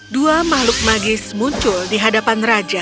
dua makhluk magis muncul di hadapan raja